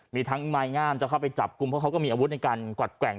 มีทั้งไม้งามจะเข้าไปจับกลุ่มเพราะเขาก็มีอาวุธในการกวัดแกว่ง